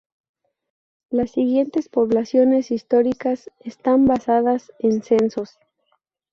Las siguientes poblaciones históricas están basadas en censos.